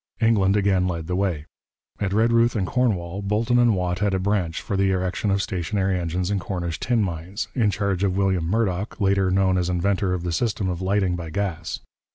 England again led the way. At Redruth in Cornwall Boulton and Watt had a branch for the erection of stationary engines in Cornish tin mines, in charge of William Murdock, later known as inventor of the system of lighting by gas.